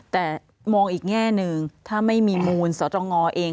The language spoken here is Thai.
แต่มองอีกแง่หนึ่งถ้าไม่มีมูลสตงเอง